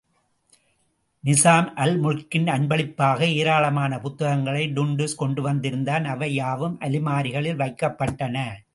நிசாம் அல்முல்க்கின் அன்பளிப்பாக ஏராளமான புத்தகங்களை டுன்டுஷ் கொண்டு வந்திருந்தான் அவை யாவும் அலமாரிகளில் வைக்கப்பட்டன.